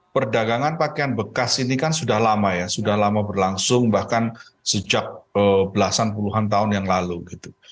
perdagangan pakaian bekas ini kan sudah lama ya sudah lama berlangsung bahkan sejak belasan puluhan tahun yang lalu gitu